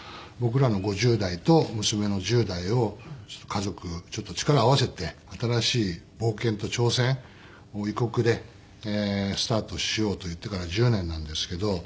僕らの５０代と娘の１０代を家族ちょっと力を合わせて新しい冒険と挑戦を異国でスタートしようと言ってから１０年なんですけど。